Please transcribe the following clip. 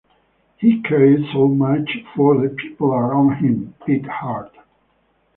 He cared so much for the people around him, it hurt.